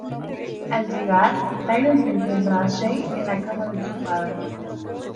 Al llegar, Tyrion se encuentra a Shae en la cama de su padre.